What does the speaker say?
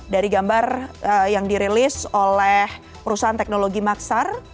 dari gambar yang dirilis oleh perusahaan teknologi maksar